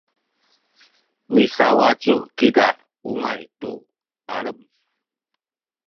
misawacu kiza ungay tu alem